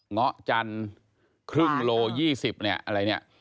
เงาะจันครึ่งโลยี่สิบเนี่ยอะไรเนี่ย